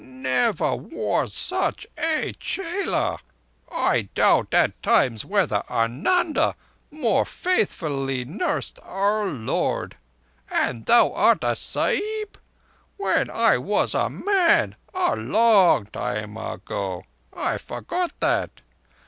"Never was such a chela. I doubt at times whether Ananda more faithfully nursed Our Lord. And thou art a Sahib? When I was a man—a long time ago—I forgot that.